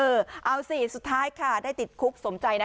เอาสิสุดท้ายค่ะได้ติดคุกสมใจนะ